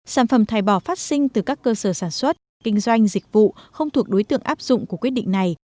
sản phẩm thải bỏ phát sinh từ các cơ sở sản xuất kinh doanh dịch vụ không thuộc đối tượng áp dụng của quyết định này